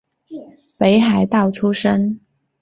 北海道出身。